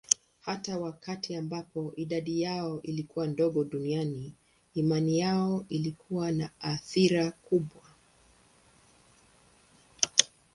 Hata wakati ambapo idadi yao ilikuwa ndogo duniani, imani yao ilikuwa na athira kubwa.